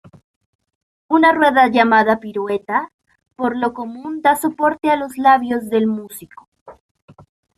Una rueda llamada pirueta, por lo común da soporte a los labios del músico.